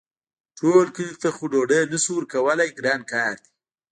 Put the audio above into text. ټول کلي ته خو ډوډۍ نه شو ورکولی ګران کار دی.